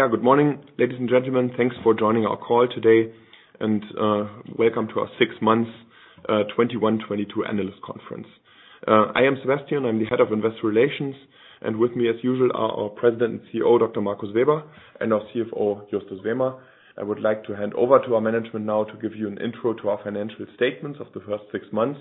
Yeah. Good morning, ladies and gentlemen. Thanks for joining our call today and, welcome to our six months, 2021-2022 analyst conference. I am Sebastian, I'm the Head of Investor Relations, and with me as usual are our President and CEO, Dr. Markus Weber, and our CFO, Justus Wehmer. I would like to hand over to our management now to give you an intro to our financial statements of the first six months,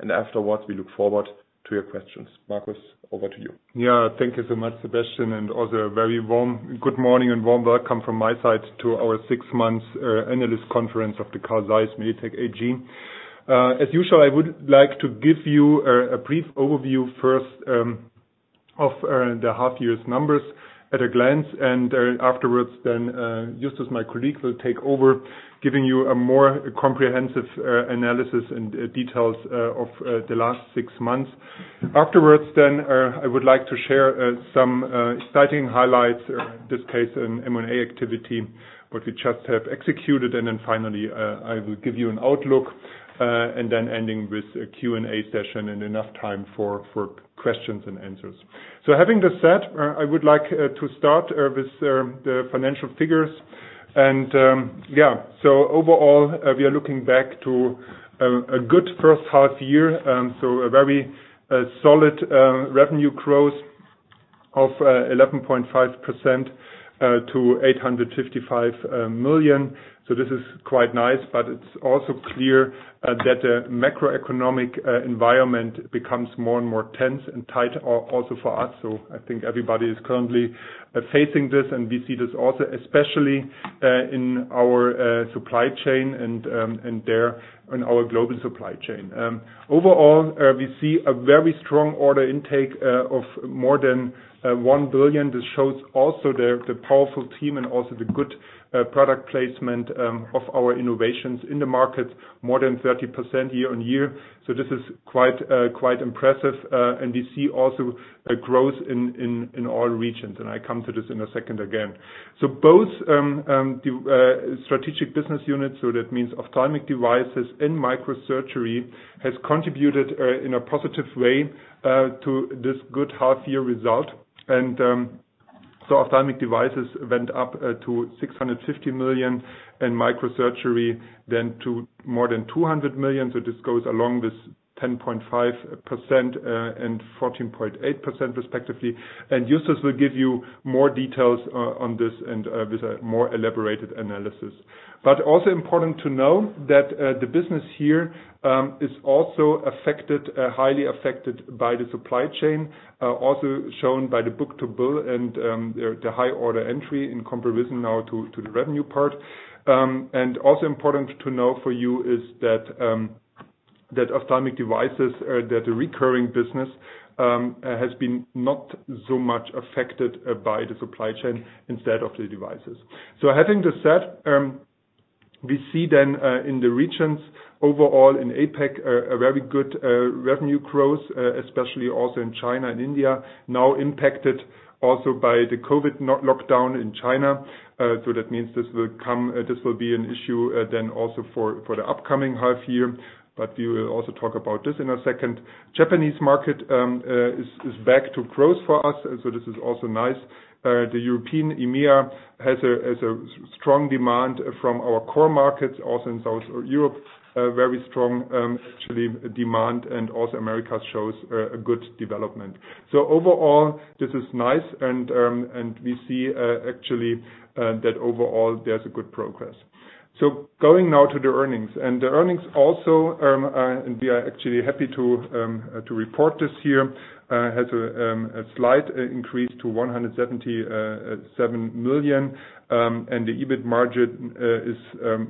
and afterwards, we look forward to your questions. Markus, over to you. Yeah. Thank you so much, Sebastian, and also a very warm good morning and warm welcome from my side to our six months analyst conference of the Carl Zeiss Meditec AG. As usual, I would like to give you a brief overview first of the half year's numbers at a glance, and afterwards then Justus, my colleague, will take over giving you a more comprehensive analysis and details of the last six months. Afterwards then I would like to share some exciting highlights in this case an M&A activity what we just have executed. Then finally I will give you an outlook and then ending with a Q&A session and enough time for Q&A. Having this said, I would like to start with the financial figures and yeah. Overall, we are looking back to a good H1 year. A very solid revenue growth of 11.5% to 855 million. This is quite nice, but it's also clear that the macroeconomic environment becomes more and more tense and tight also for us. I think everybody is currently facing this, and we see this also especially in our supply chain and there in our global supply chain. Overall, we see a very strong order intake of more than 1 billion. This shows also the powerful team and also the good product placement of our innovations in the market, more than 30% year-on-year. This is quite impressive. We see also a growth in all regions, and I come to this in a second again. Both the strategic business units, so that means ophthalmic devices and microsurgery, has contributed in a positive way to this good half year result. Ophthalmic devices went up to 650 million and microsurgery then to more than 200 million. This goes along with 10.5% and 14.8% respectively. Justus will give you more details on this and with a more elaborate analysis. Also important to know that the business here is also affected, highly affected by the supply chain, also shown by the book-to-bill and the high order entry in comparison now to the revenue part. Also important to know for you is that ophthalmic devices, that the recurring business has been not so much affected by the supply chain instead of the devices. Having this said, we see then in the regions overall in APAC a very good revenue growth, especially also in China and India, now impacted also by the COVID lockdown in China. That means this will be an issue then also for the upcoming half year, but we will also talk about this in a second. Japanese market is back to growth for us, so this is also nice. The European EMEA has a strong demand from our core markets, also in South Europe, a very strong, actually demand, and also Americas shows a good development. Overall, this is nice and we see actually that overall there's a good progress. Going now to the earnings. The earnings also, we are actually happy to report this here, has a slight increase to 177 million. The EBIT margin is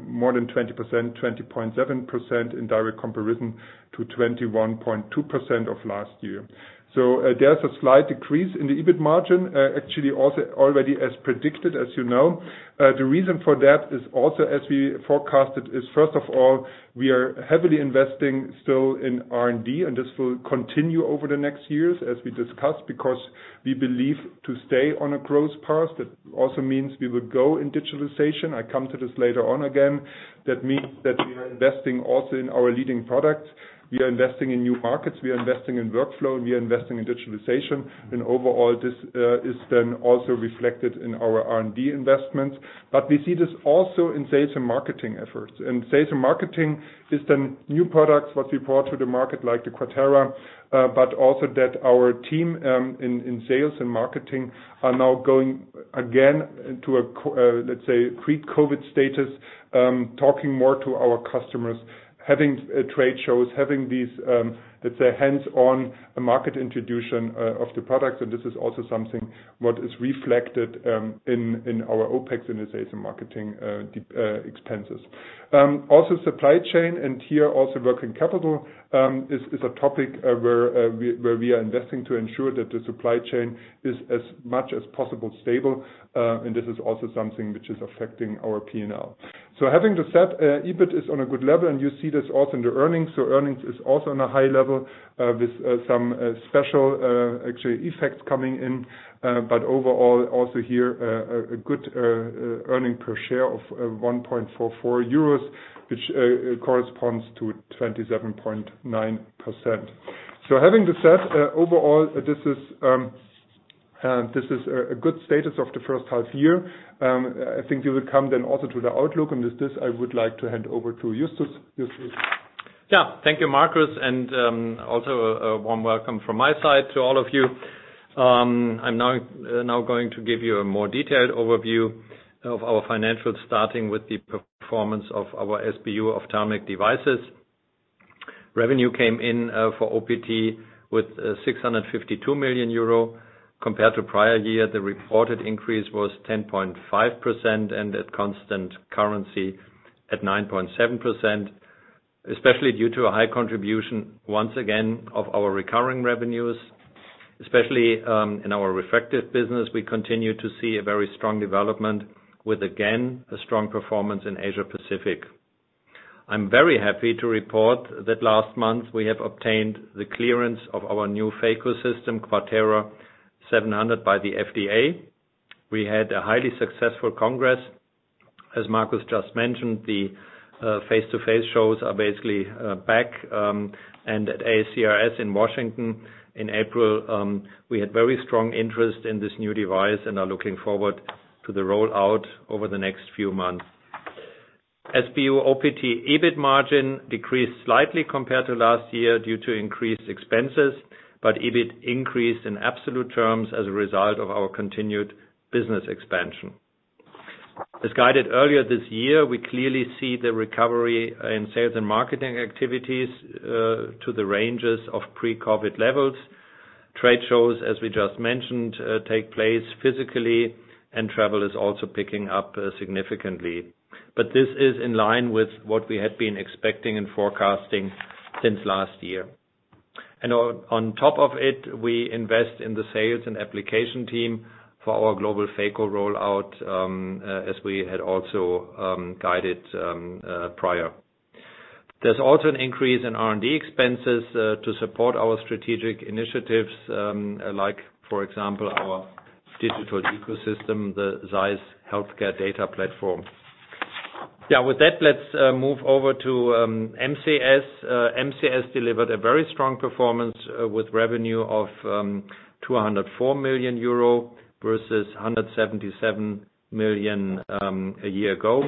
more than 20%, 20.7% in direct comparison to 21.2% of last year. There's a slight decrease in the EBIT margin, actually also already as predicted as you know. The reason for that is also as we forecasted, is first of all, we are heavily investing still in R&D, and this will continue over the next years as we discussed, because we believe to stay on a growth path. That also means we will go in digitalization. I come to this later on again. That means that we are investing also in our leading products. We are investing in new markets, we are investing in workflow, and we are investing in digitalization. Overall, this is then also reflected in our R&D investments. We see this also in sales and marketing efforts. Sales and marketing is then new products what we brought to the market, like the QUATERA, but also that our team in sales and marketing are now going again into a let's say pre-COVID status, talking more to our customers, having trade shows, having these let's say hands-on market introduction of the products. This is also something what is reflected in our OpEx in the sales and marketing expenses. Also supply chain and here also working capital is a topic where we are investing to ensure that the supply chain is as much as possible stable. This is also something which is affecting our P&L. Having this said, EBIT is on a good level, and you see this also in the earnings. Earnings is also on a high level, with some special actually effects coming in. Overall also here, a good earnings per share of 1.44 euros, which corresponds to 27.9%. Having this said, overall this is a good status of the H1 year. I think we will come then also to the outlook, and with this, I would like to hand over to Justus. Justus? Yeah. Thank you, Markus. Also a warm welcome from my side to all of you. I'm now going to give you a more detailed overview of our financials, starting with the performance of our SBU Ophthalmic Devices. Revenue came in for OPT with 652 million euro. Compared to prior year, the reported increase was 10.5%, and at constant currency, 9.7%, especially due to a high contribution, once again, of our recurring revenues. Especially in our refractive business, we continue to see a very strong development with, again, a strong performance in Asia Pacific. I'm very happy to report that last month we have obtained the clearance of our new phaco system, QUATERA 700, by the FDA. We had a highly successful congress. As Markus just mentioned, face-to-face shows are basically back, and at ASCRS in Washington in April, we had very strong interest in this new device and are looking forward to the rollout over the next few months. SBU OPT EBIT margin decreased slightly compared to last year due to increased expenses, but EBIT increased in absolute terms as a result of our continued business expansion. As guided earlier this year, we clearly see the recovery in sales and marketing activities to the ranges of pre-COVID levels. Trade shows, as we just mentioned, take place physically, and travel is also picking up significantly. This is in line with what we had been expecting and forecasting since last year. On top of it, we invest in the sales and application team for our global phaco rollout, as we had also guided prior. There's also an increase in R&D expenses to support our strategic initiatives, like, for example, our digital ecosystem, the ZEISS Health Data Platform. Yeah, with that, let's move over to MCS. MCS delivered a very strong performance with revenue of 204 million euro versus 177 million a year ago.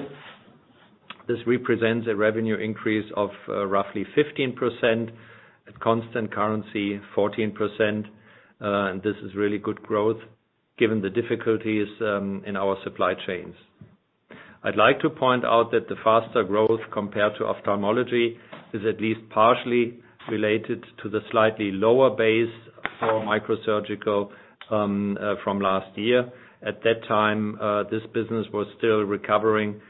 This represents a revenue increase of roughly 15%, at constant currency, 14%. This is really good growth given the difficulties in our supply chains. I'd like to point out that the faster growth compared to ophthalmology is at least partially related to the slightly lower base for microsurgery from last year. At that time, this business was still recovering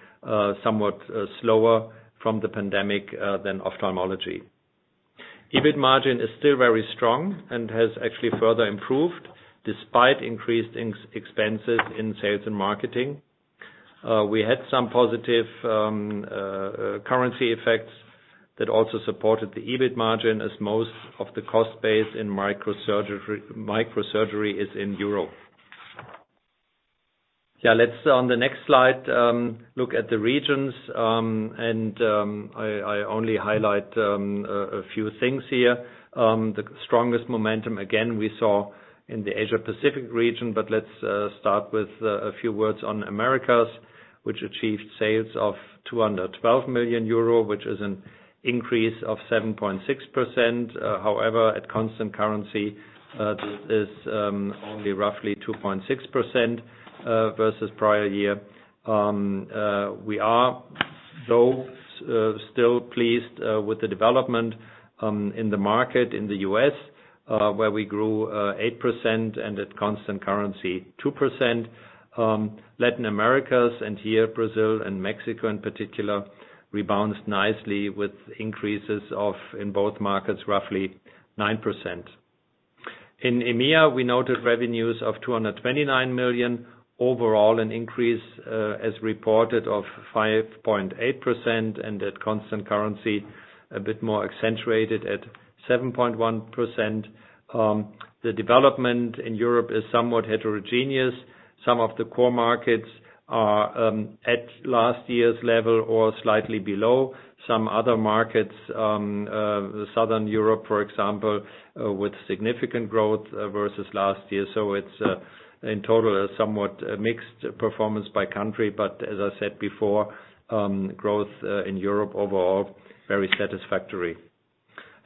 somewhat slower from the pandemic than ophthalmology. EBIT margin is still very strong and has actually further improved despite increased expenses in sales and marketing. We had some positive currency effects that also supported the EBIT margin as most of the cost base in microsurgery is in Europe. Yeah, let's on the next slide look at the regions. I only highlight a few things here. The strongest momentum, again, we saw in the Asia Pacific region, but let's start with a few words on Americas, which achieved sales of 212 million euro, which is an increase of 7.6%. However, at constant currency, this is only roughly 2.6% versus prior year. We are though still pleased with the development in the market in the U.S., where we grew 8% and at constant currency, 2%. Latin America, and here Brazil and Mexico in particular, rebounds nicely with increases of, in both markets, roughly 9%. In EMEA, we noted revenues of 229 million. Overall, an increase, as reported, of 5.8%, and at constant currency, a bit more accentuated at 7.1%. The development in Europe is somewhat heterogeneous. Some of the core markets are at last year's level or slightly below. Some other markets, southern Europe, for example, with significant growth versus last year. It's in total a somewhat mixed performance by country. As I said before, growth in Europe overall very satisfactory.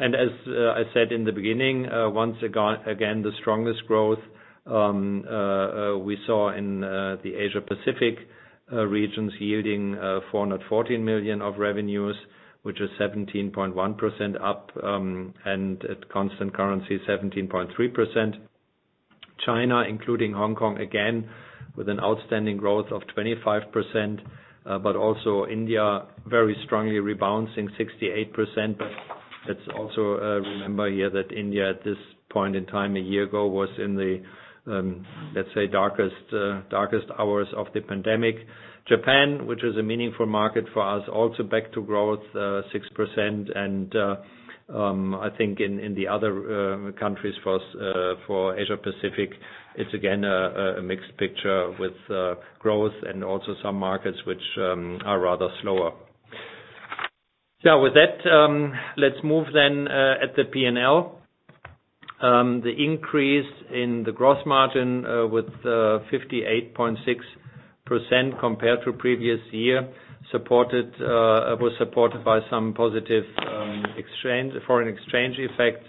As I said in the beginning, once again, the strongest growth we saw in the Asia Pacific regions yielding 414 million of revenues, which is 17.1% up, and at constant currency, 17.3%. China, including Hong Kong, again, with an outstanding growth of 25%, but also India very strongly rebounding 68%. Let's also remember here that India at this point in time a year ago was in the, let's say darkest hours of the pandemic. Japan, which is a meaningful market for us, also back to growth, 6%. I think in the other countries for Asia Pacific, it's again a mixed picture with growth and also some markets which are rather slower. With that, let's move then at the P&L. The increase in the gross margin with 58.6% compared to previous year was supported by some positive foreign exchange effects,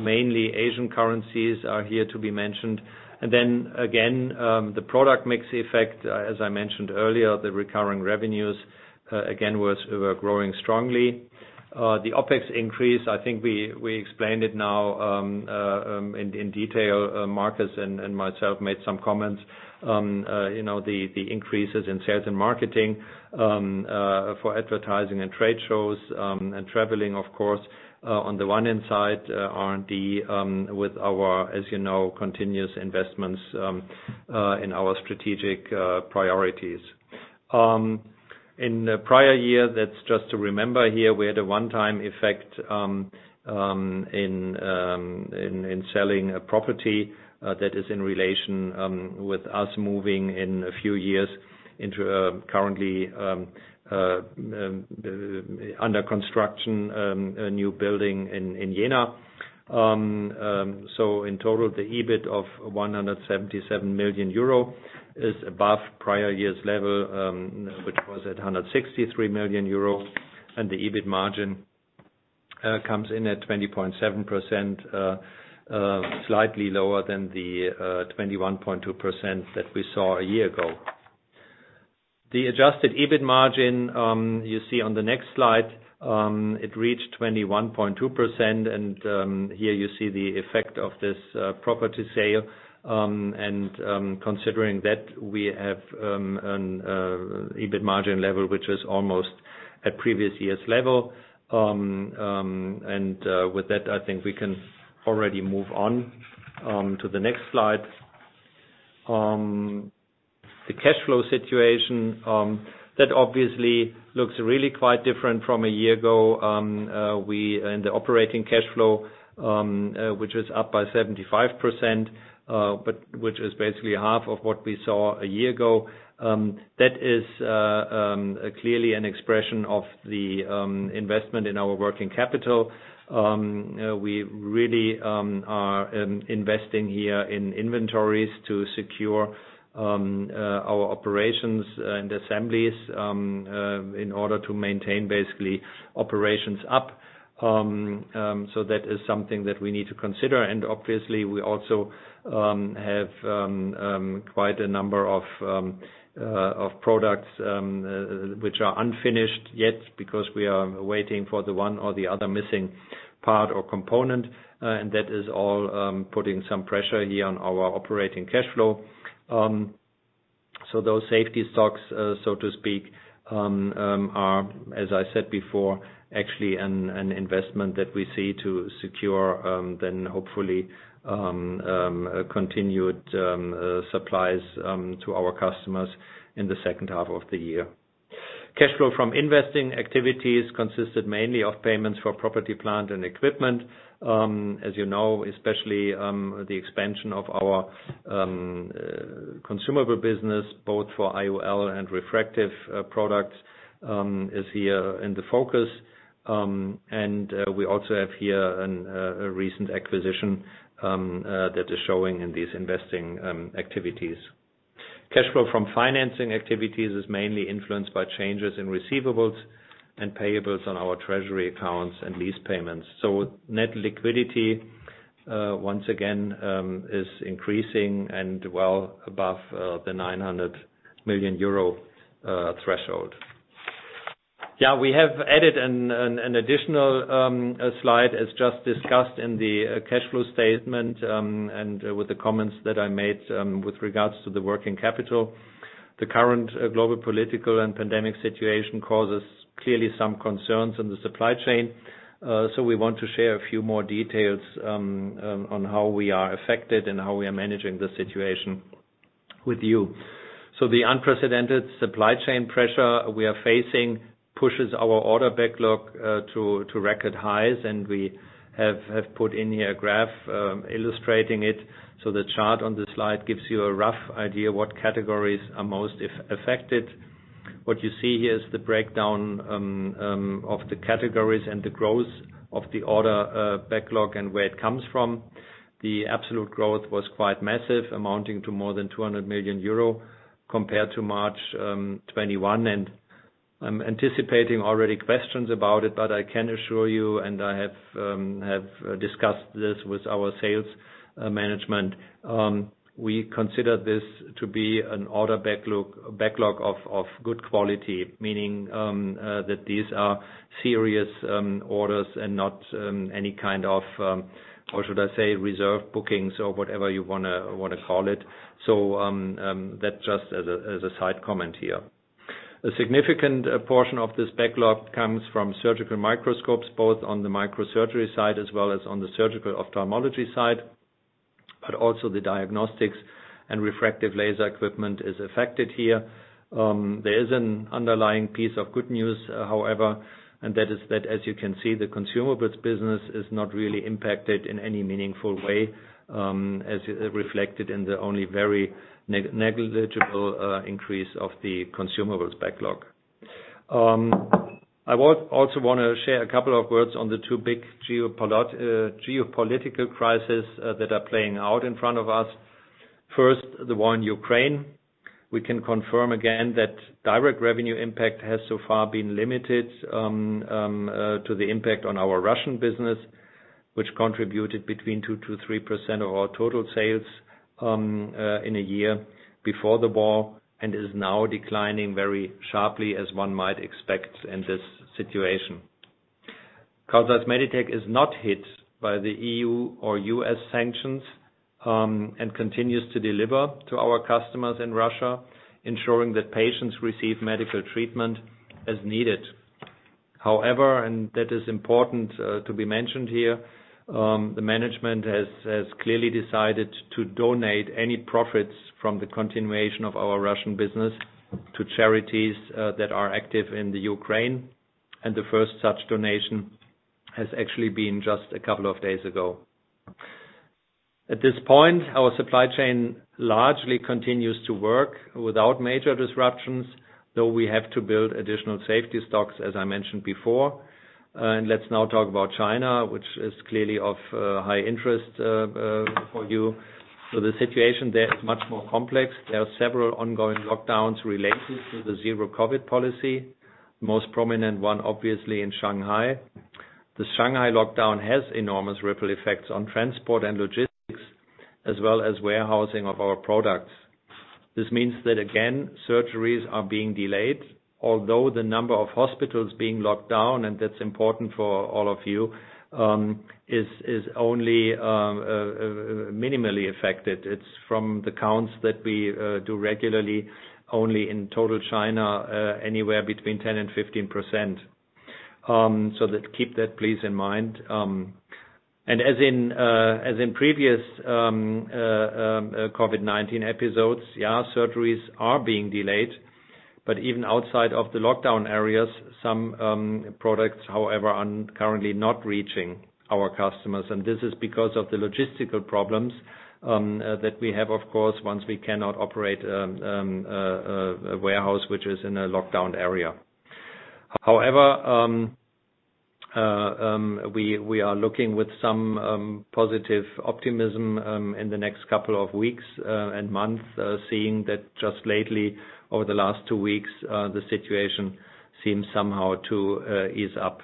mainly Asian currencies are here to be mentioned. The product mix effect, as I mentioned earlier, the recurring revenues again were growing strongly. The OpEx increase, I think we explained it now in detail. Markus and myself made some comments, you know, the increases in sales and marketing for advertising and trade shows and traveling of course, on the one side, R&D with our, as you know, continuous investments in our strategic priorities. In the prior year, that's just to remember here, we had a one-time effect in selling a property that is in relation with us moving in a few years into currently under construction a new building in Jena. In total, the EBIT of 177 million euro is above prior year's level, which was at 163 million euro, and the EBIT margin comes in at 20.7%, slightly lower than the 21.2% that we saw a year ago. The adjusted EBIT margin, you see on the next slide, it reached 21.2%, and here you see the effect of this property sale, and considering that we have EBIT margin level, which is almost at previous year's level. With that, I think we can already move on to the next slide. The cash flow situation, that obviously looks really quite different from a year ago, and the operating cash flow, which was up by 75%, but which is basically half of what we saw a year ago. That is clearly an expression of the investment in our working capital. We really are investing here in inventories to secure our operations and assemblies in order to maintain basically operations up. That is something that we need to consider. Obviously, we also have quite a number of products which are unfinished yet because we are waiting for the one or the other missing part or component, and that is all putting some pressure here on our operating cash flow. Those safety stocks, so to speak, are, as I said before, actually an investment that we see to secure then hopefully continued supplies to our customers in the H2 of the year. Cash flow from investing activities consisted mainly of payments for property, plant, and equipment. As you know, especially, the expansion of our consumable business, both for IOL and refractive products, is here in the focus. We also have here a recent acquisition that is showing in these investing activities. Cash flow from financing activities is mainly influenced by changes in receivables and payables on our treasury accounts and lease payments. Net liquidity once again is increasing and well above the 900 million euro threshold. Yeah, we have added an additional slide as just discussed in the cash flow statement, and with the comments that I made, with regards to the working capital. The current global political and pandemic situation causes clearly some concerns in the supply chain. We want to share a few more details on how we are affected and how we are managing the situation with you. The unprecedented supply chain pressure we are facing pushes our order backlog to record highs, and we have put in here a graph illustrating it. The chart on the slide gives you a rough idea what categories are most affected. What you see here is the breakdown of the categories and the growth of the order backlog and where it comes from. The absolute growth was quite massive, amounting to more than 200 million euro compared to March 2021. I'm anticipating already questions about it, but I can assure you, and I have discussed this with our sales management, we consider this to be an order backlog of good quality, meaning that these are serious orders and not any kind of what should I say, reserve bookings or whatever you wanna call it. That just as a side comment here. A significant portion of this backlog comes from surgical microscopes, both on the microsurgery side as well as on the surgical ophthalmology side, but also the diagnostics and refractive laser equipment is affected here. There is an underlying piece of good news, however, and that is that, as you can see, the consumables business is not really impacted in any meaningful way, as reflected in the only very negligible increase of the consumables backlog. I would also wanna share a couple of words on the two big geopolitical crisis that are playing out in front of us. First, the one in Ukraine. We can confirm again that direct revenue impact has so far been limited to the impact on our Russian business, which contributed between 2%-3% of our total sales in a year before the war, and is now declining very sharply as one might expect in this situation. Carl Zeiss Meditec is not hit by the E.U. or U.S. sanctions and continues to deliver to our customers in Russia, ensuring that patients receive medical treatment as needed. However, and that is important, to be mentioned here, the management has clearly decided to donate any profits from the continuation of our Russian business to charities that are active in the Ukraine, and the first such donation has actually been just a couple of days ago. At this point, our supply chain largely continues to work without major disruptions, though we have to build additional safety stocks, as I mentioned before. Let's now talk about China, which is clearly of high interest for you. The situation there is much more complex. There are several ongoing lockdowns related to the zero-COVID policy. Most prominent one, obviously, in Shanghai. The Shanghai lockdown has enormous ripple effects on transport and logistics, as well as warehousing of our products. This means that, again, surgeries are being delayed, although the number of hospitals being locked down, and that's important for all of you, is only minimally affected. It's from the counts that we do regularly only in total China, anywhere between 10%-15%. Keep that please in mind. As in previous COVID-19 episodes, yeah, surgeries are being delayed, but even outside of the lockdown areas, some products, however, are currently not reaching our customers, and this is because of the logistical problems that we have, of course, once we cannot operate a warehouse which is in a lockdown area. However, we are looking with some positive optimism in the next couple of weeks and months, seeing that just lately, over the last two weeks, the situation seems somehow to ease up.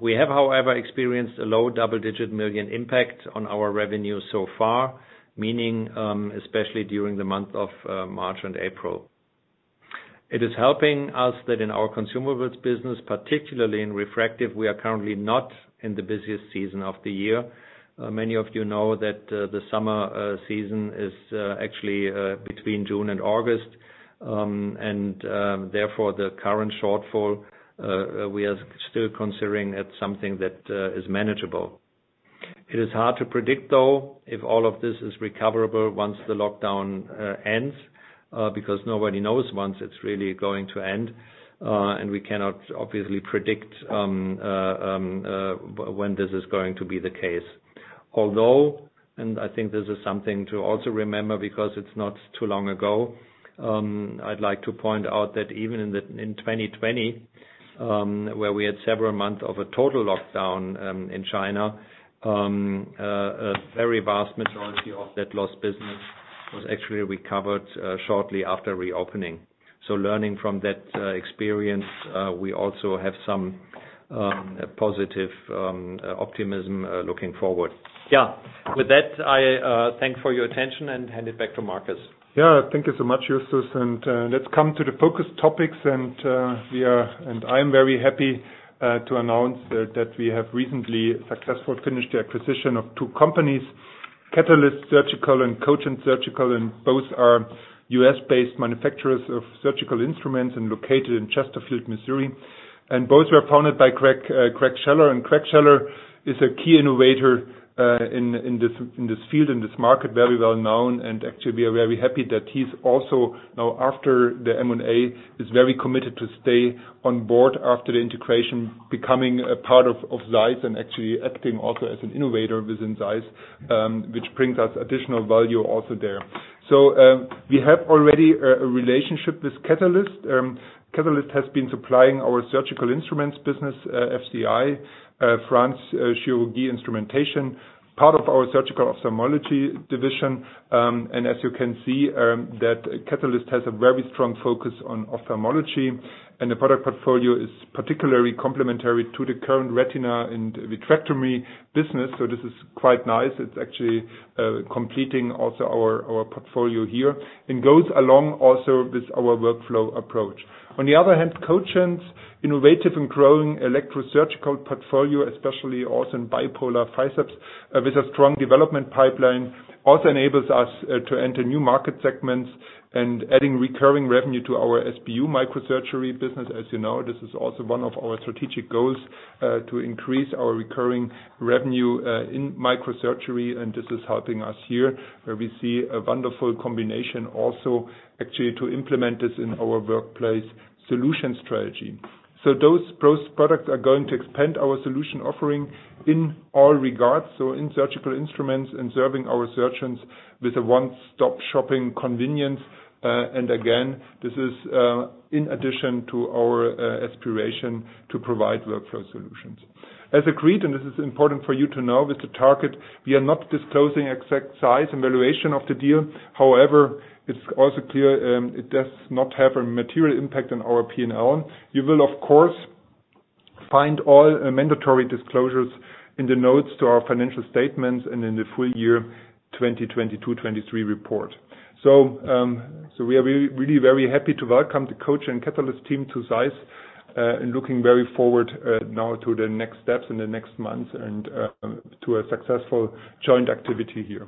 We have, however, experienced a low double-digit million EUR impact on our revenue so far, meaning especially during the month of March and April. It is helping us that in our consumables business, particularly in refractive, we are currently not in the busiest season of the year. Many of you know that the summer season is actually between June and August. Therefore, the current shortfall, we are still considering it something that is manageable. It is hard to predict, though, if all of this is recoverable once the lockdown ends, because nobody knows once it's really going to end, and we cannot obviously predict when this is going to be the case. Although I think this is something to also remember because it's not too long ago, I'd like to point out that even in 2020, where we had several months of a total lockdown in China, a very vast majority of that lost business was actually recovered shortly after reopening. Learning from that experience, we also have some positive optimism looking forward. Yeah. With that, I thank you for your attention and hand it back to Markus. Thank you so much, Justus. Let's come to the focus topics, and I'm very happy to announce that we have recently successfully finished the acquisition of two companies, Katalyst Surgical and Kogent Surgical, and both are US-based manufacturers of surgical instruments and located in Chesterfield, Missouri. Both were founded by Craig Scheller, and Craig Scheller is a key innovator in this field, in this market, very well known, and actually we are very happy that he's also now after the M&A very committed to stay on board after the integration, becoming a part of ZEISS and actually acting also as an innovator within ZEISS, which brings us additional value also there. We have already a relationship with Katalyst. Katalyst has been supplying our surgical instruments business, FCI, France Chirurgie Instrumentation, part of our surgical ophthalmology division. As you can see, that Katalyst has a very strong focus on ophthalmology, and the product portfolio is particularly complementary to the current retina and vitrectomy business. This is quite nice. It's actually completing also our portfolio here and goes along also with our workflow approach. On the other hand, Kogent's innovative and growing electrosurgical portfolio, especially also in bipolar forceps, with a strong development pipeline, also enables us to enter new market segments and adding recurring revenue to our SBU microsurgery business. As you know, this is also one of our strategic goals, to increase our recurring revenue, in microsurgery, and this is helping us here, where we see a wonderful combination also actually to implement this in our workplace solution strategy. Those products are going to expand our solution offering in all regards, so in surgical instruments and serving our surgeons with a one-stop shopping convenience. Again, this is, in addition to our, aspiration to provide workflow solutions. As agreed, this is important for you to know with the target, we are not disclosing exact size and valuation of the deal. However, it's also clear, it does not have a material impact on our P&L. You will, of course, find all mandatory disclosures in the notes to our financial statements and in the full year 2022-2023 report. We are really very happy to welcome the Kogent and Katalyst team to ZEISS, and looking very forward now to the next steps in the next months and to a successful joint activity here.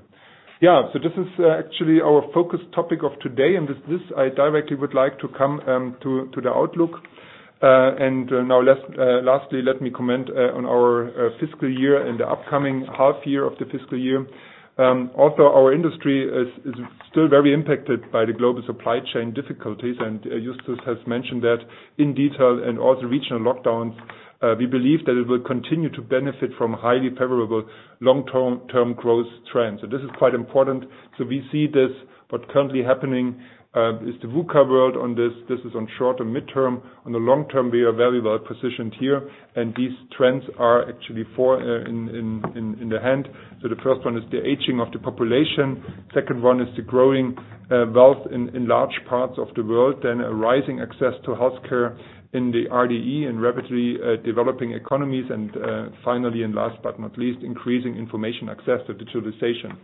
Yeah. This is actually our focus topic of today, and with this, I directly would like to come to the outlook. Lastly, let me comment on our fiscal year and the upcoming half year of the fiscal year. Our industry is still very impacted by the global supply chain difficulties, and Justus has mentioned that in detail and all the regional lockdowns. We believe that it will continue to benefit from highly favorable long-term growth trends. This is quite important. We see this, what currently happening is the VUCA world on this. This is on short and midterm. On the long term, we are very well positioned here, and these trends are actually four in the hand. The first one is the aging of the population. Second one is the growing wealth in large parts of the world, and a rising access to healthcare in the RDE and rapidly developing economies. Finally, and last but not least, increasing information access to digitalization.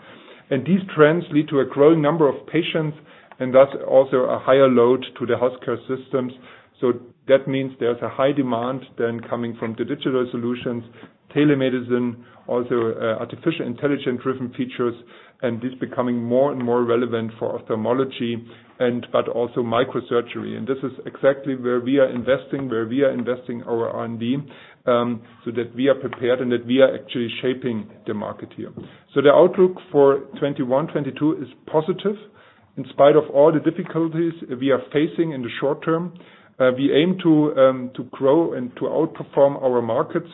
These trends lead to a growing number of patients, and thus also a higher load to the healthcare systems. That means there's a high demand then coming from the digital solutions, telemedicine, also, artificial intelligence-driven features, and this becoming more and more relevant for ophthalmology and, but also microsurgery. This is exactly where we are investing our R&D, so that we are prepared and that we are actually shaping the market here. The outlook for 2021, 2022 is positive. In spite of all the difficulties we are facing in the short term, we aim to grow and to outperform our markets.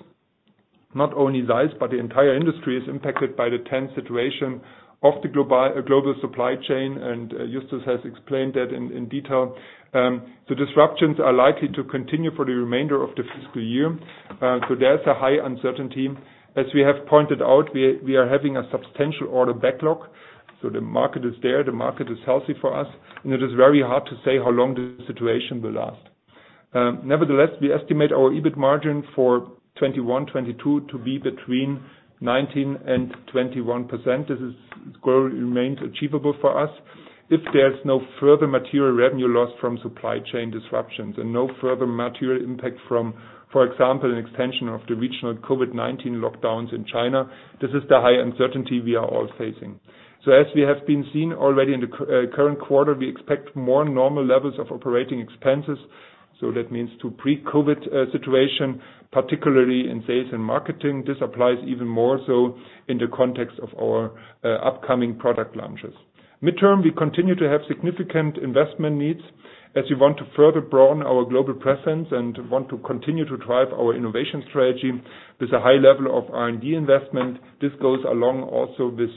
Not only ZEISS but the entire industry is impacted by the tense situation of the global supply chain, and Justus has explained that in detail. The disruptions are likely to continue for the remainder of the fiscal year. There's a high uncertainty. As we have pointed out, we are having a substantial order backlog, so the market is there, the market is healthy for us, and it is very hard to say how long this situation will last. Nevertheless, we estimate our EBIT margin for 2021-2022 to be between 19% and 21%. Goal remains achievable for us if there's no further material revenue loss from supply chain disruptions and no further material impact from, for example, an extension of the regional COVID-19 lockdowns in China. This is the high uncertainty we are all facing. As we have seen already in the current quarter, we expect more normal levels of operating expenses. That means return to pre-COVID situation, particularly in sales and marketing. This applies even more so in the context of our upcoming product launches. Midterm, we continue to have significant investment needs as we want to further broaden our global presence and want to continue to drive our innovation strategy with a high level of R&D investment. This goes along also with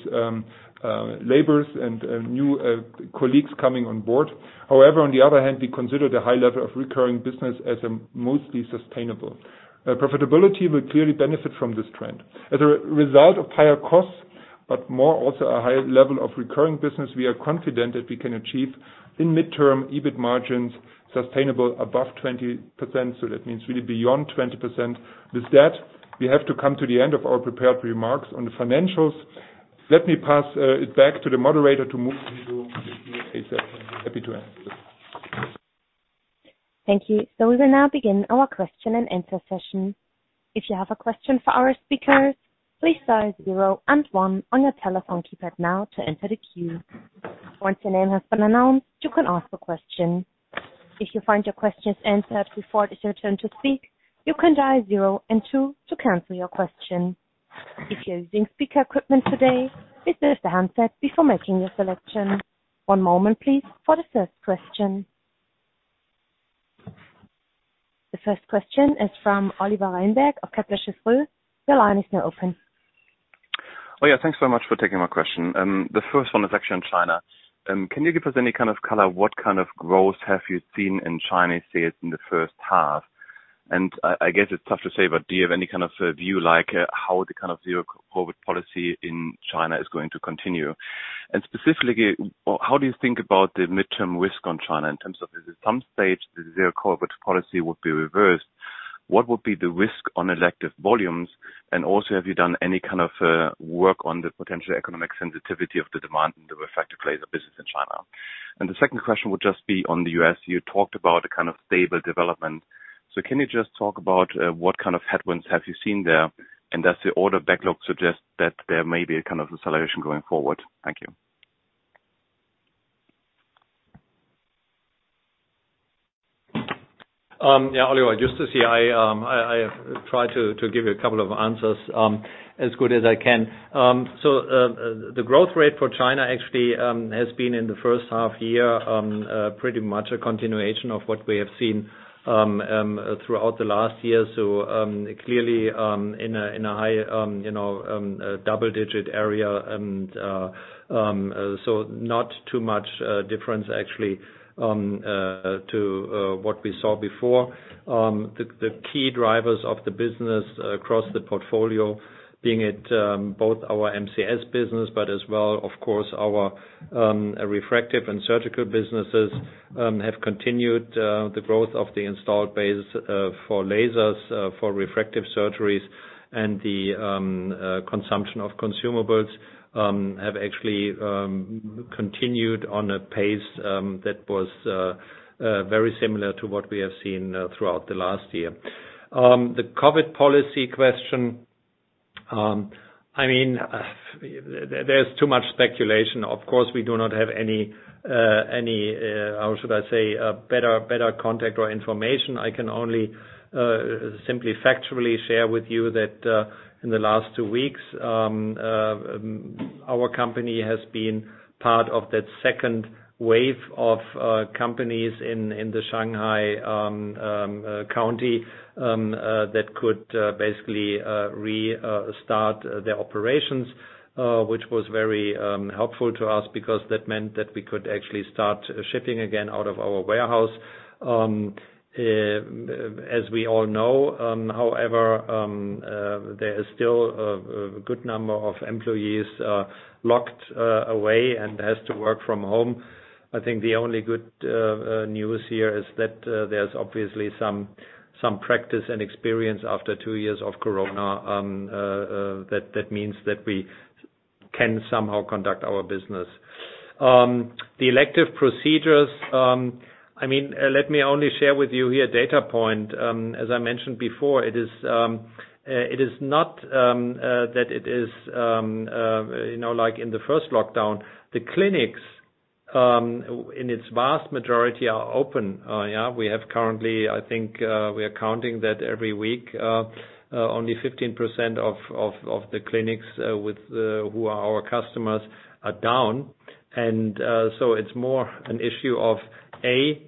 labors and new colleagues coming on board. However, on the other hand, we consider the high level of recurring business as mostly sustainable. Profitability will clearly benefit from this trend. As a result of higher costs, but more also a higher level of recurring business, we are confident that we can achieve in midterm EBIT margins sustainable above 20%. That means really beyond 20%. With that, we have to come to the end of our prepared remarks on the financials. Let me pass it back to the moderator to move into the Q&A session. Happy to answer. Thank you. We will now begin our Q&A session. If you have a question for our speakers, please dial zero and one on your telephone keypad now to enter the queue. Once your name has been announced, you can ask a question. If you find your questions answered before it is your turn to speak, you can dial zero and two to cancel your question. If you're using speaker equipment today, please mute the handset before making your selection. One moment, please, for the first question. The first question is from Oliver Reinberg of Kepler Cheuvreux. Your line is now open. Oh, yeah, thanks very much for taking my question. The first one is actually on China. Can you give us any kind of color, what kind of growth have you seen in Chinese sales in the H1? And I guess it's tough to say, but do you have any kind of view, like, how the kind of zero-COVID policy in China is going to continue? And specifically, how do you think about the midterm risk on China in terms of if at some stage the zero-COVID policy would be reversed, what would be the risk on elective volumes? And also, have you done any kind of work on the potential economic sensitivity of the demand in the refractive laser business in China? And the second question would just be on the U.S. You talked about a kind of stable development. Can you just talk about what kind of headwinds have you seen there? Does the order backlog suggest that there may be a kind of acceleration going forward? Thank you. Yeah, Oliver, just to say, I try to give you a couple of answers as good as I can. The growth rate for China actually has been in the H1 year pretty much a continuation of what we have seen throughout the last year. Clearly, in a high, you know, double-digit area and so not too much difference actually to what we saw before. The key drivers of the business across the portfolio, being at both our MCS business but as well, of course, our refractive and surgical businesses, have continued the growth of the installed base for lasers for refractive surgeries and the consumption of consumables, have actually continued on a pace that was very similar to what we have seen throughout the last year. The COVID policy question, I mean, there's too much speculation. Of course, we do not have any how should I say, a better contact or information. I can only simply factually share with you that in the last two weeks our company has been part of that second wave of companies in the Shanghai county that could basically restart the operations, which was very helpful to us because that meant that we could actually start shipping again out of our warehouse. As we all know, however, there is still a good number of employees locked away and has to work from home. I think the only good news here is that there's obviously some practice and experience after two years of Coronavirus that means that we can somehow conduct our business. The elective procedures, I mean, let me only share with you here data point. As I mentioned before, it is not that it is, you know, like in the first lockdown. The clinics, in its vast majority, are open. We have currently, I think, we are counting that every week only 15% of the clinics who are our customers are down. So it's more an issue of, A,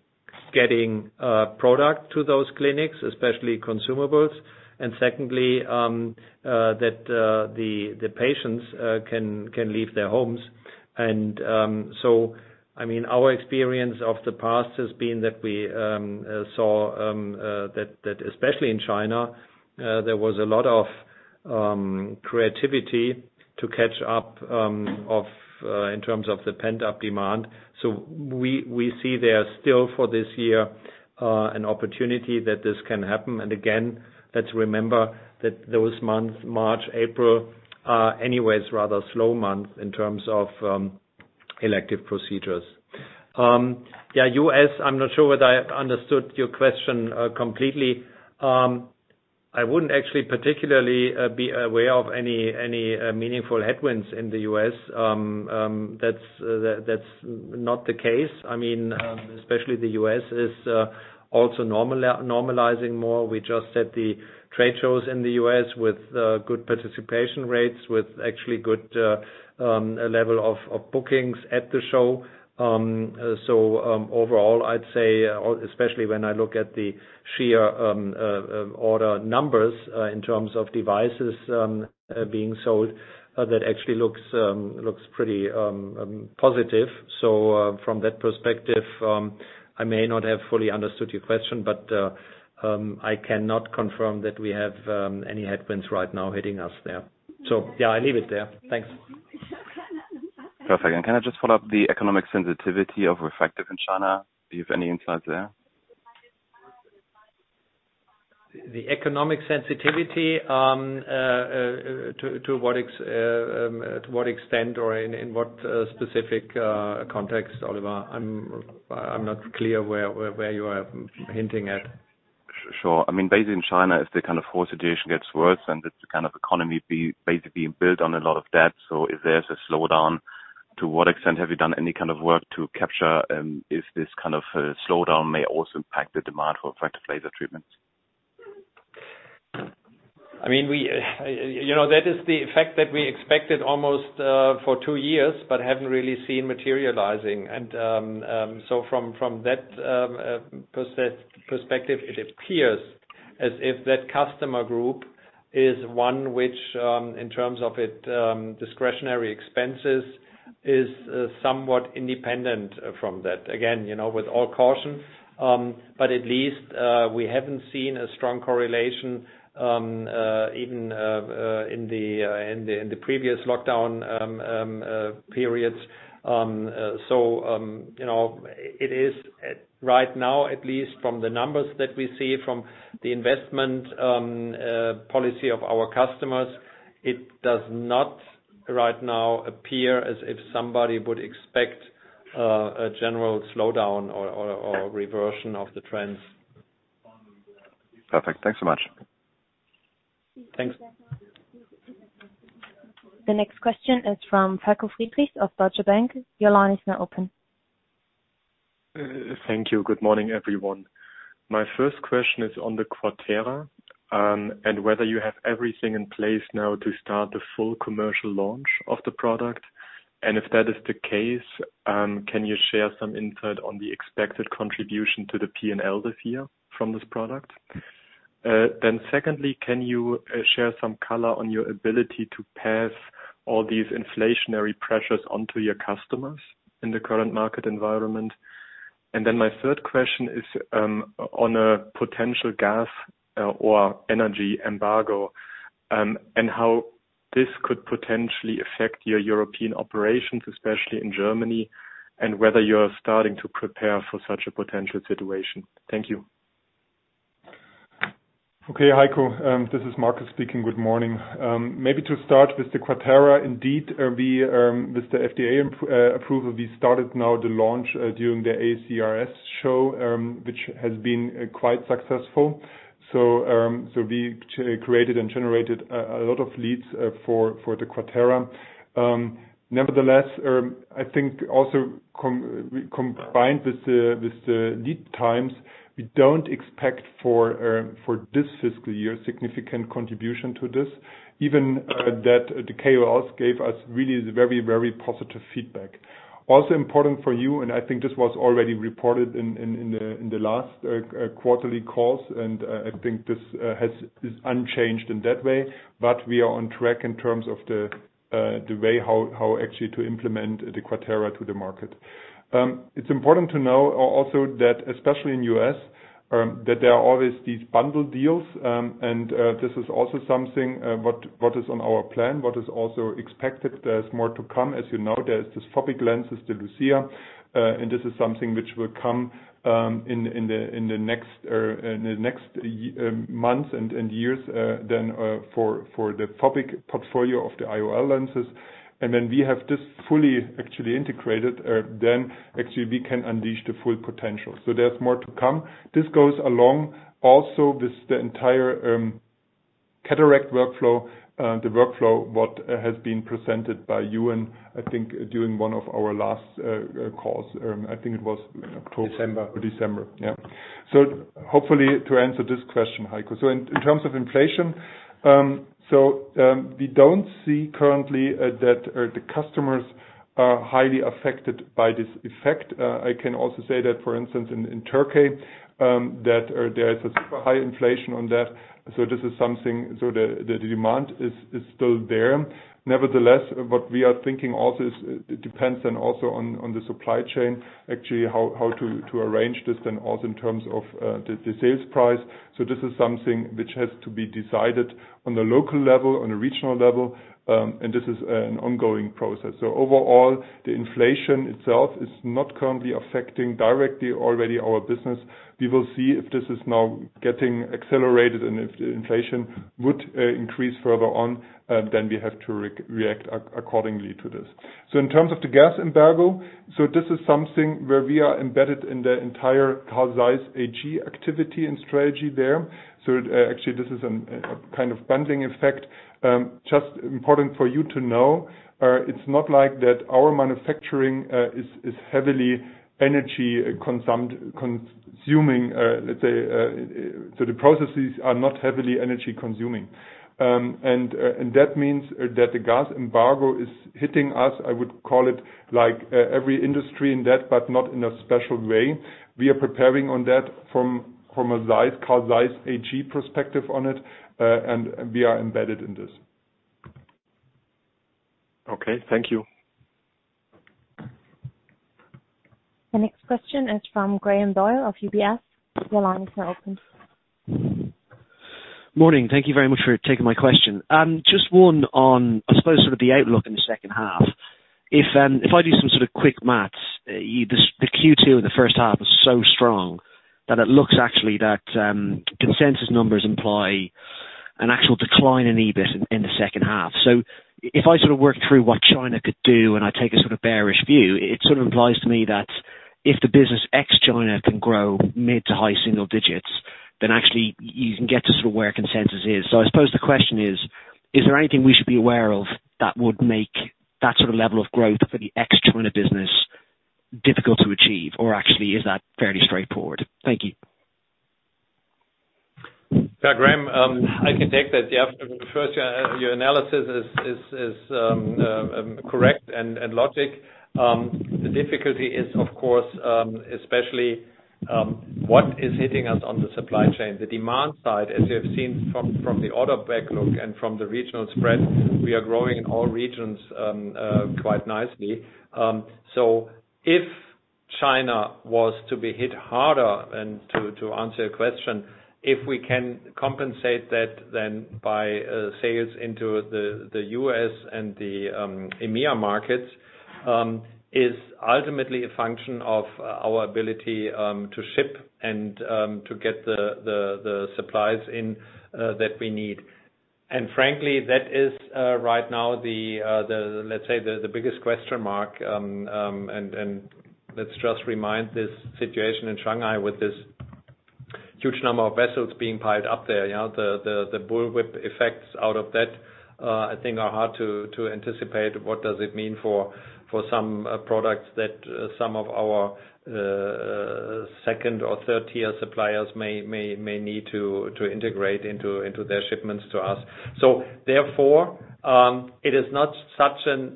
getting product to those clinics, especially consumables, and secondly, that the patients can leave their homes. I mean, our experience of the past has been that we saw that especially in China, there was a lot of activity to catch up in terms of the pent-up demand. We see there still for this year an opportunity that this can happen. Again, let's remember that those months, March, April, are anyways rather slow months in terms of elective procedures. Yeah, U.S., I'm not sure whether I understood your question completely. I wouldn't actually particularly be aware of any meaningful headwinds in the U.S. That's not the case. I mean, especially the U.S. is also normalizing more. We just had the trade shows in the U.S. with good participation rates, with actually good level of bookings at the show. Overall, I'd say especially when I look at the sheer order numbers in terms of devices being sold, that actually looks pretty positive. From that perspective, I may not have fully understood your question, but I cannot confirm that we have any headwinds right now hitting us there. Yeah, I'll leave it there. Thanks. Perfect. Can I just follow up the economic sensitivity of refractive in China? Do you have any insights there? The economic sensitivity to what extent or in what specific context, Oliver? I'm not clear where you are hinting at. Sure. I mean, based in China, if the kind of whole situation gets worse and it's the kind of economy basically built on a lot of debt. If there's a slowdown, to what extent have you done any kind of work to capture, if this kind of slowdown may also impact the demand for refractive laser treatments? I mean, we, you know, that is the effect that we expected almost for two years, but haven't really seen materializing. From that perspective, it appears as if that customer group is one which, in terms of it, discretionary expenses, is somewhat independent from that. Again, you know, with all caution, but at least we haven't seen a strong correlation, even in the previous lockdown periods. You know, it is right now, at least from the numbers that we see from the investment policy of our customers, it does not right now appear as if somebody would expect a general slowdown or reversion of the trends. Perfect. Thanks so much. Thanks. The next question is from Falko Friedrichs of Deutsche Bank. Your line is now open. Thank you. Good morning, everyone. My first question is on the QUATERA, and whether you have everything in place now to start the full commercial launch of the product? If that is the case, can you share some insight on the expected contribution to the P&L this year from this product? Secondly, can you share some color on your ability to pass all these inflationary pressures onto your customers in the current market environment? My third question is on a potential gas or energy embargo, and how this could potentially affect your European operations, especially in Germany, and whether you're starting to prepare for such a potential situation. Thank you. Okay, Falko. This is Marcus speaking. Good morning. Maybe to start with the QUATERA, indeed, with the FDA approval, we started now the launch during the ASCRS show, which has been quite successful. We created and generated a lot of leads for the QUATERA. Nevertheless, I think also we combined with the lead times, we don't expect for this fiscal year, significant contribution to this. Even that the KOLs gave us really is very, very positive feedback. Also important for you, and I think this was already reported in the last quarterly calls, and I think this is unchanged in that way. We are on track in terms of the way how actually to implement the QUATERA to the market. It's important to know also that, especially in U.S., that there are always these bundle deals, and this is also something what is on our plan, what is also expected. There's more to come. As you know, there's this hydrophobic lenses, the CT LUCIA, and this is something which will come in the next months and years then for the hydrophobic portfolio of the IOL lenses. When we have this fully actually integrated, then actually we can unleash the full potential. There's more to come. This goes along also with the entire cataract workflow, the workflow that has been presented by you, and I think during one of our last calls. I think it was October. December. December, yeah. Hopefully to answer this question, Heiko. In terms of inflation, we don't see currently that the customers are highly affected by this effect. I can also say that for instance, in Turkey, that there is a super high inflation on that. This is something. The demand is still there. Nevertheless, what we are thinking also is it depends on also on the supply chain, actually, how to arrange this then also in terms of the sales price. This is something which has to be decided on the local level, on a regional level, and this is an ongoing process. Overall, the inflation itself is not currently affecting directly already our business. We will see if this is now getting accelerated and if the inflation would increase further on, then we have to react accordingly to this. In terms of the gas embargo, this is something where we are embedded in the entire Carl Zeiss AG activity and strategy there. Actually this is a kind of bundling effect. Just important for you to know, it's not like that our manufacturing is heavily energy consuming, let's say, so the processes are not heavily energy-consuming. That means that the gas embargo is hitting us, I would call it like every industry in that, but not in a special way. We are preparing on that from a ZEISS, Carl Zeiss AG perspective on it, and we are embedded in this. Okay, thank you. The next question is from Graham Doyle of UBS. Your line is now open. Morning. Thank you very much for taking my question. Just one on, I suppose sort of the outlook in the H2. If I do some sort of quick math, the Q2 in the H1 was so strong that it looks actually that consensus numbers imply an actual decline in EBIT in the H2. If I sort of work through what China could do, and I take a sort of bearish view, it sort of implies to me that if the business ex-China can grow mid to high single digits, then actually you can get to sort of where consensus is. I suppose the question is. Is there anything we should be aware of that would make that sort of level of growth for the ex-China business difficult to achieve? Or actually is that fairly straightforward? Thank you. Yeah, Graham, I can take that. Yeah. First, your analysis is correct and logical. The difficulty is of course, especially, what is hitting us on the supply chain. The demand side, as you have seen from the order backlog and from the regional spread, we are growing in all regions quite nicely. If China was to be hit harder and to answer your question, if we can compensate that then by sales into the U.S. and the EMEA markets, is ultimately a function of our ability to ship and to get the supplies in that we need. Frankly, that is right now, let's say, the biggest question mark. Let's just remind this situation in Shanghai with this huge number of vessels being piled up there, you know, the bullwhip effects out of that, I think are hard to anticipate what does it mean for some products that some of our second or third tier suppliers may need to integrate into their shipments to us. It is not such a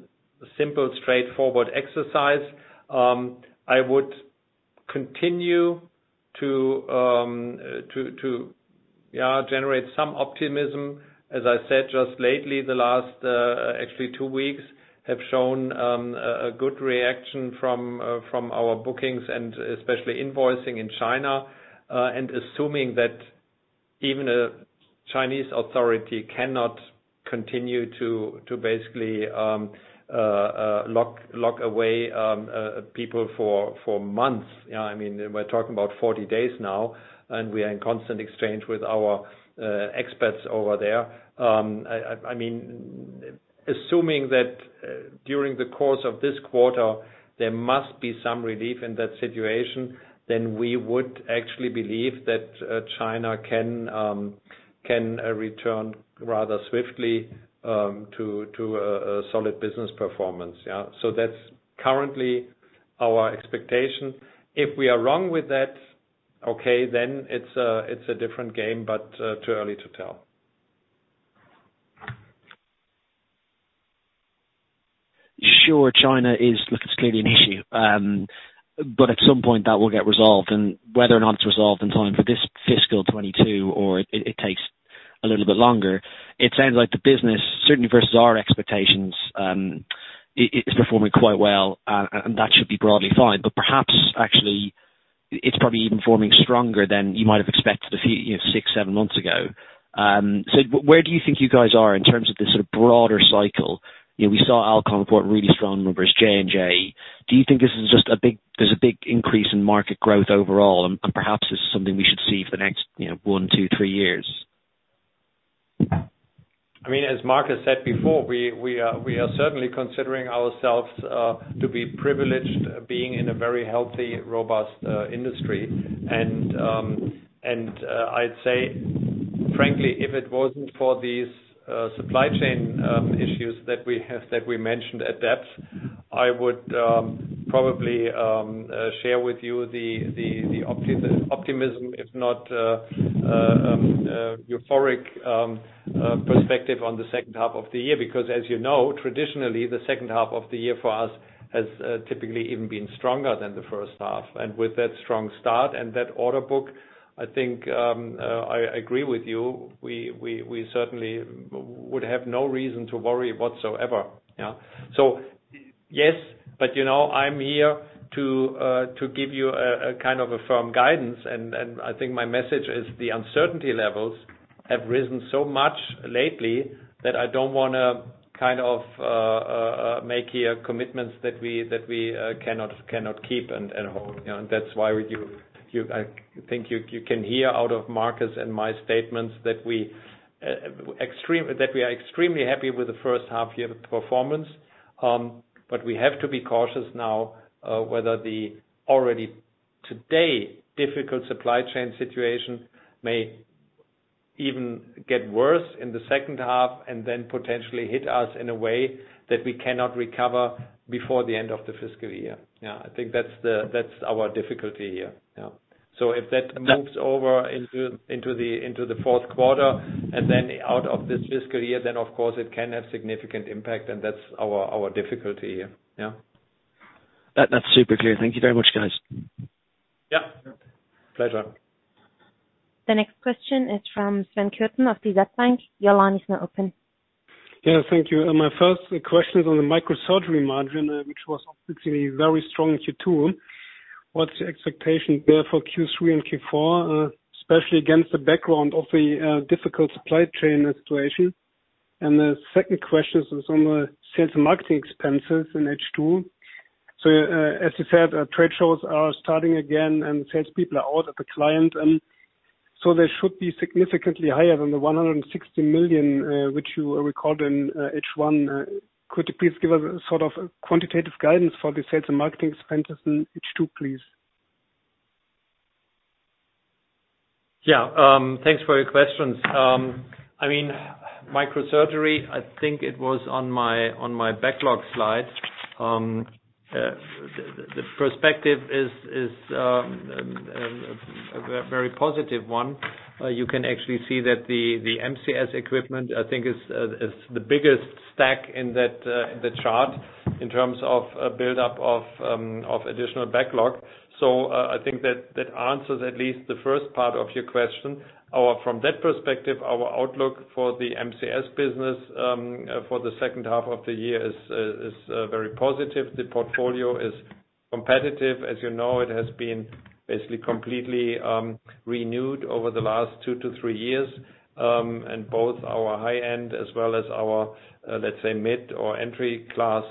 simple, straightforward exercise. I would continue to generate some optimism. As I said, just lately, the last actually two weeks have shown a good reaction from our bookings and especially invoicing in China, and assuming that even a Chinese authority cannot continue to basically lock away people for months. Yeah, I mean, we're talking about 40 days now, and we are in constant exchange with our expats over there. I mean, assuming that during the course of this quarter, there must be some relief in that situation, then we would actually believe that China can return rather swiftly to a solid business performance. Yeah. That's currently our expectation. If we are wrong with that, okay, then it's a different game, but too early to tell. Sure. China, look, it's clearly an issue. At some point that will get resolved. Whether or not it's resolved in time for this fiscal 2022 or it takes a little bit longer, it sounds like the business certainly versus our expectations is performing quite well, and that should be broadly fine, but perhaps actually it's probably even performing stronger than you might have expected a few, you know, 6 months, 7 months ago. Where do you think you guys are in terms of the sort of broader cycle? You know, we saw Alcon report really strong numbers, J&J. Do you think this is just a big increase in market growth overall, and perhaps this is something we should see for the next, you know, 1 years, 2 years, 3 years? I mean, as Marcus said before, we are certainly considering ourselves to be privileged being in a very healthy, robust industry. I'd say frankly, if it wasn't for these supply chain issues that we have, that we mentioned in depth, I would probably share with you the optimism, if not euphoric, perspective on the H2 of the year, because as you know, traditionally, the H2 of the year for us has typically even been stronger than the H1. With that strong start and that order book, I think I agree with you. We certainly would have no reason to worry whatsoever. Yeah. Yes, but you know, I'm here to give you a kind of a firm guidance. I think my message is the uncertainty levels have risen so much lately that I don't wanna kind of make commitments here that we cannot keep and hold. You know, that's why you can hear from Markus and my statements that we are extremely happy with the H1 year performance, but we have to be cautious now whether the already today difficult supply chain situation may even get worse in the H2 and then potentially hit us in a way that we cannot recover before the end of the fiscal year. I think that's our difficulty here. If that moves over into the Q4, and then out of this fiscal year, then of course it can have significant impact and that's our difficulty here. Yeah. That, that's super clear. Thank you very much, guys. Yeah. Pleasure. The next question is from Sven Kürten of DZ Bank. Your line is now open. Yeah, thank you. My first question is on the microsurgery margin, which was obviously very strong in Q2. What's your expectation there for Q3 and Q4, especially against the background of the difficult supply chain situation? The second question is on the sales and marketing expenses in H2. As you said, trade shows are starting again and salespeople are out at the client, and so they should be significantly higher than the 160 million which you recalled in H1. Could you please give us sort of quantitative guidance for the sales and marketing expenses in H2, please? Yeah. Thanks for your questions. I mean, microsurgery, I think it was on my backlog slide. The perspective is a very positive one. You can actually see that the MCS equipment, I think is the biggest stack in that the chart in terms of a buildup of additional backlog. I think that answers at least the first part of your question. From that perspective, our outlook for the MCS business for the H2 of the year is very positive. The portfolio is competitive. As you know, it has been basically completely renewed over the last two years to three years. Both our high end as well as our, let's say, mid or entry class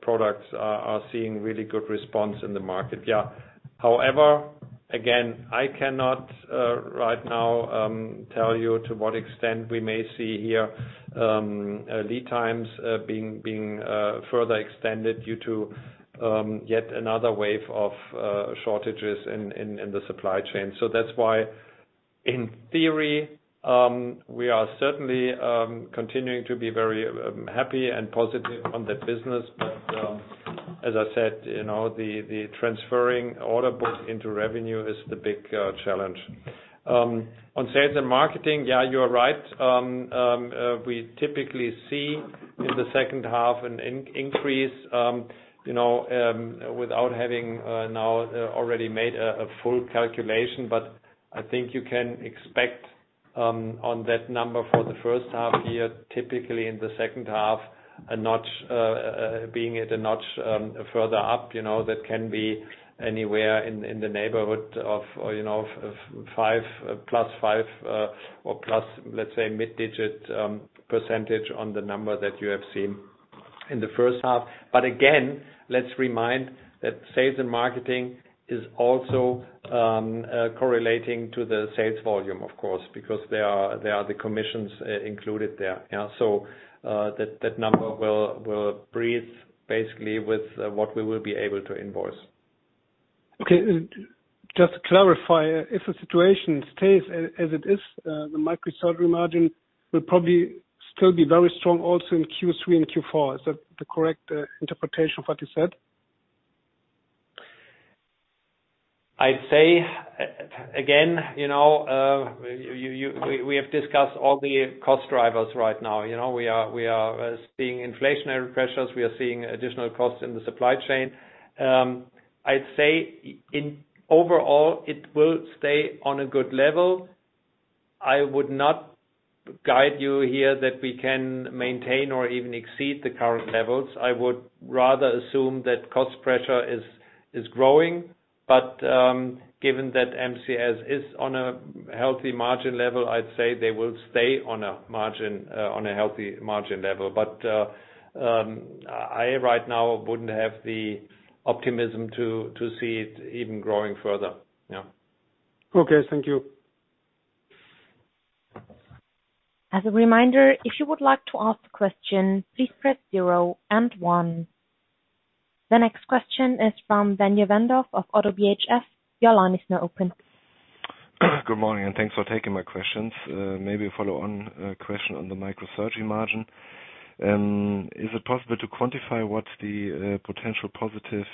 products are seeing really good response in the market. Yeah. However, again, I cannot right now tell you to what extent we may see here lead times being further extended due to yet another wave of shortages in the supply chain. That's why. In theory, we are certainly continuing to be very happy and positive on that business. As I said, you know, the transferring order book into revenue is the big challenge. On sales and marketing, yeah, you are right. We typically see in the H2 an increase, you know, without having now already made a full calculation. I think you can expect on that number for the H1 year, typically in the H2, a notch further up, you know, that can be anywhere in the neighborhood of, you know, of 5+, 5 or plus, let's say, mid-single-digit % on the number that you have seen in the H1. Again, let's remind that sales and marketing is also correlating to the sales volume, of course, because there are the commissions included there. Yeah. That number will breathe basically with what we will be able to invoice. Okay. Just to clarify, if the situation stays as it is, the microsurgery margin will probably still be very strong also in Q3 and Q4. Is that the correct interpretation of what you said? I'd say, you know, we have discussed all the cost drivers right now. You know, we are seeing inflationary pressures. We are seeing additional costs in the supply chain. I'd say overall, it will stay on a good level. I would not guide you here that we can maintain or even exceed the current levels. I would rather assume that cost pressure is growing. Given that MCS is on a healthy margin level, I'd say they will stay on a healthy margin level. I right now wouldn't have the optimism to see it even growing further. Yeah. Okay, thank you. As a reminder, if you would like to ask a question, please press zero and one. The next question is from Daniel Wendorff of Oddo BHF. Your line is now open. Good morning, and thanks for taking my questions. Maybe a follow-on question on the microsurgery margin. Is it possible to quantify what the potential positive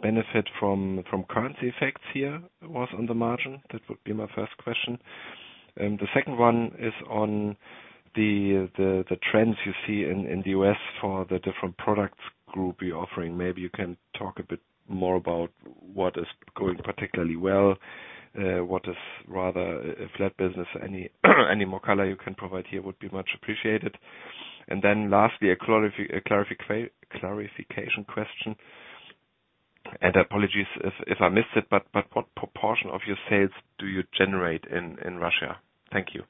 benefit from currency effects here was on the margin? That would be my first question. The second one is on the trends you see in the U.S. for the different products group you're offering. Maybe you can talk a bit more about what is going particularly well, what is rather a flat business. Any more color you can provide here would be much appreciated. Lastly, a clarification question, and apologies if I missed it, but what proportion of your sales do you generate in Russia? Thank you.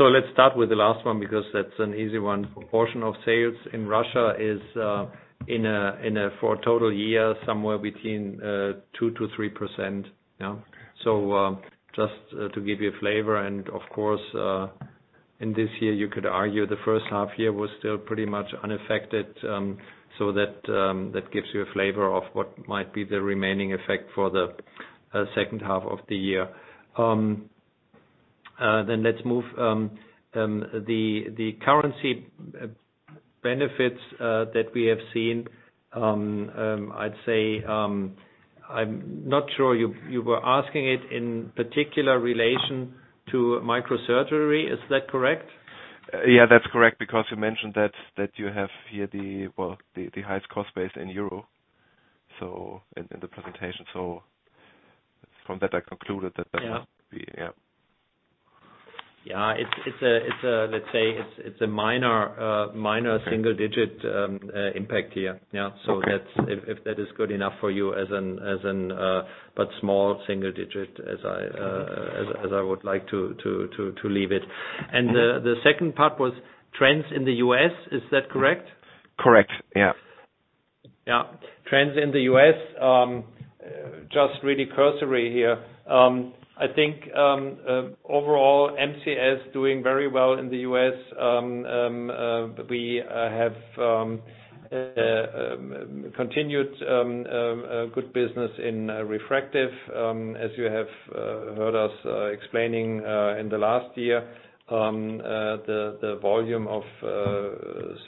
Let's start with the last one, because that's an easy one. Proportion of sales in Russia is for a total year, somewhere between 2%-3%. Yeah. Just to give you a flavor and of course in this year, you could argue the H1 year was still pretty much unaffected. That gives you a flavor of what might be the remaining effect for the H2 of the year. Let's move the currency benefits that we have seen. I'd say I'm not sure you were asking it in particular relation to microsurgery. Is that correct? Yeah, that's correct, because you mentioned that you have here, well, the highest cost base in euro, so in the presentation. From that, I concluded that might be, yeah. Yeah. It's a, let's say, a minor single digit impact here. Yeah. Okay. That's if that is good enough for you as an but small single digit as I would like to leave it. The second part was trends in the U.S. Is that correct? Correct. Yeah. Yeah. Trends in the US, just really cursory here. I think overall, MCS doing very well in the US. We have continued good business in refractive. As you have heard us explaining in the last year, the volume of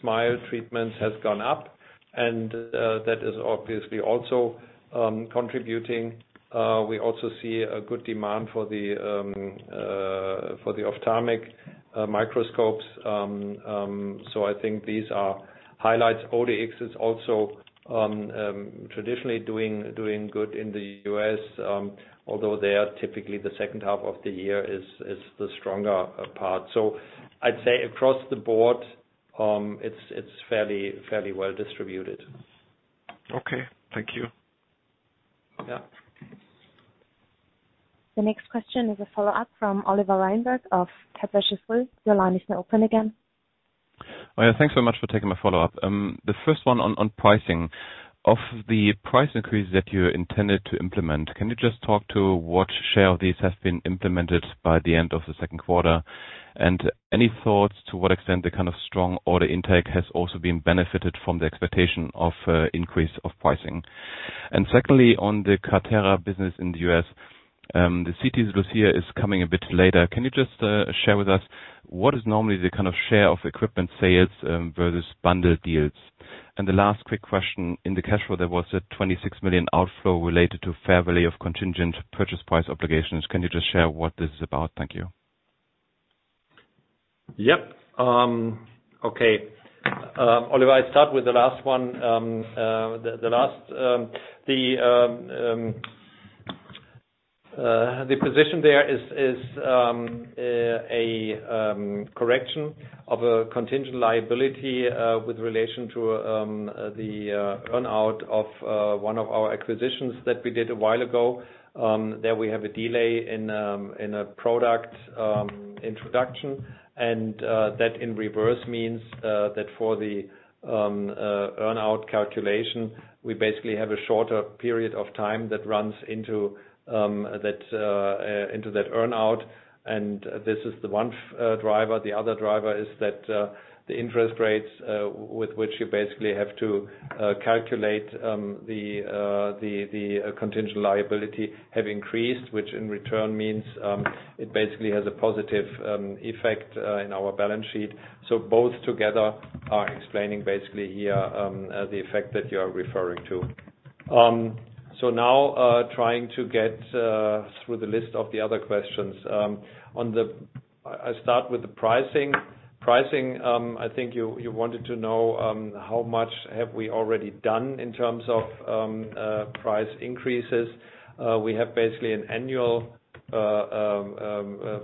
SMILE treatments has gone up and that is obviously also contributing. We also see a good demand for the ophthalmic microscopes. I think these are highlights. ODX is also traditionally doing good in the US, although they are typically the H2 of the year is the stronger part. I'd say across the board, it's fairly well distributed. Okay. Thank you. Yeah. The next question is a follow-up from Oliver Reinberg of Kepler Cheuvreux. Your line is now open again. Oh, yeah. Thanks so much for taking my follow-up. The first one on pricing. Of the price increase that you intended to implement, can you just talk to what share of these have been implemented by the end of the Q2? Any thoughts to what extent the kind of strong order intake has also been benefited from the expectation of increase of pricing? Secondly, on the QUATERA business in the U.S., the CT LUCIA is coming a bit later. Can you just share with us what is normally the kind of share of equipment sales versus bundled deals? The last quick question, in the cash flow, there was a 26 million outflow related to fair value of contingent purchase price obligations. Can you just share what this is about? Thank you. Yep. Okay. Oliver, I start with the last one. The position there is a correction of a contingent liability with relation to the earn-out of one of our acquisitions that we did a while ago, that we have a delay in a product introduction. That in reverse means that for the earn-out calculation, we basically have a shorter period of time that runs into that earn-out, and this is the one driver. The other driver is that the interest rates with which you basically have to calculate the contingent liability have increased, which in return means it basically has a positive effect in our balance sheet. Both together are explaining basically here the effect that you are referring to. Now trying to get through the list of the other questions. On the I start with the pricing. Pricing, I think you wanted to know how much have we already done in terms of price increases. We have basically an annual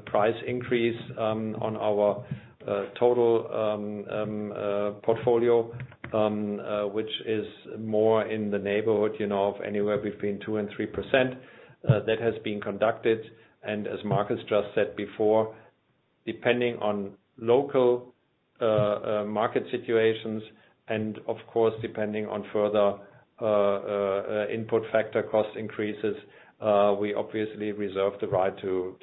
price increase on our total portfolio which is more in the neighborhood, you know, of anywhere between 2%-3% that has been conducted. As Markus just said before, depending on local market situations and of course, depending on further input factor cost increases, we obviously reserve the right to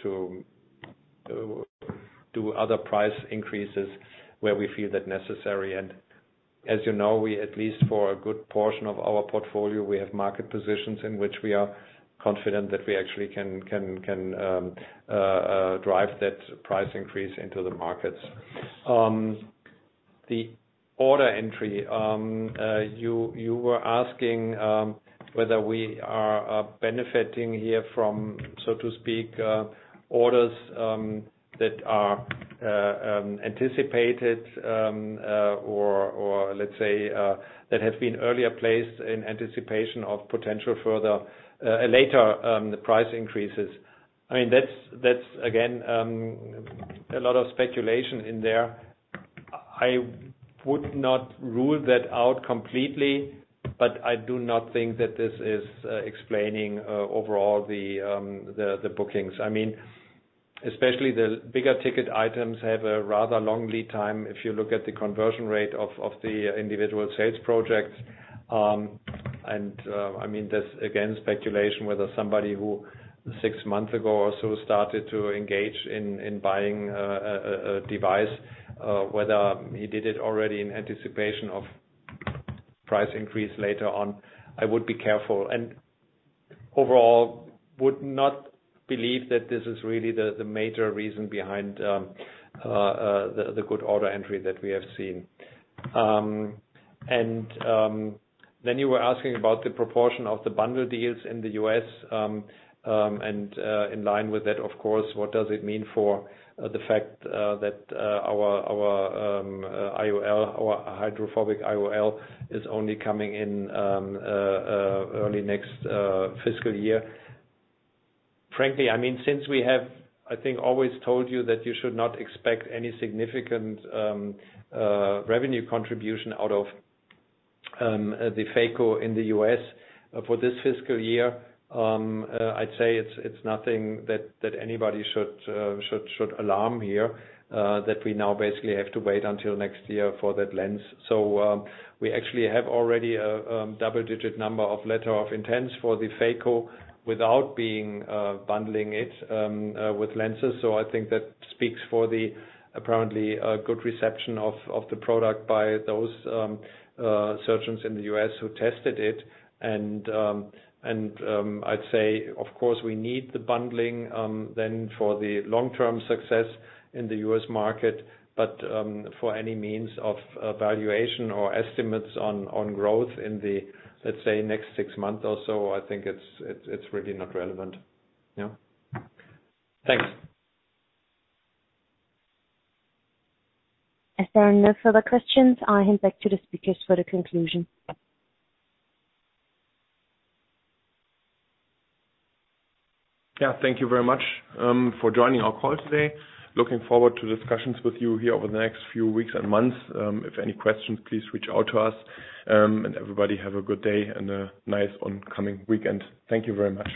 do other price increases where we feel that necessary. As you know, we at least for a good portion of our portfolio, we have market positions in which we are confident that we actually can drive that price increase into the markets. The order entry, you were asking whether we are benefiting here from, so to speak, orders that are anticipated or let's say that have been earlier placed in anticipation of potential further later the price increases. I mean, that's again a lot of speculation in there. I would not rule that out completely, but I do not think that this is explaining overall the bookings. I mean, especially the bigger ticket items have a rather long lead time if you look at the conversion rate of the individual sales projects. I mean, that's again speculation whether somebody who six months ago or so started to engage in buying a device, whether he did it already in anticipation of price increase later on. I would be careful, and overall would not believe that this is really the major reason behind the good order entry that we have seen. You were asking about the proportion of the bundle deals in the U.S., and in line with that, of course, what does it mean for the fact that our IOL, our hydrophobic IOL is only coming in early next fiscal year. Frankly, I mean, since we have, I think, always told you that you should not expect any significant revenue contribution out of the phaco in the U.S. For this fiscal year, I'd say it's nothing that anybody should alarm here, that we now basically have to wait until next year for that lens. We actually have already a double-digit number of letters of intent for the Phaco without bundling it with lenses. I think that speaks for the apparently good reception of the product by those surgeons in the US who tested it. I'd say, of course, we need the bundling then for the long-term success in the US market. For any means of valuation or estimates on growth in the, let's say, next six months or so, I think it's really not relevant. Yeah. Thanks. As there are no further questions, I hand back to the speakers for the conclusion. Yeah. Thank you very much for joining our call today. Looking forward to discussions with you here over the next few weeks and months. If any questions, please reach out to us. Everybody, have a good day and a nice oncoming weekend. Thank you very much.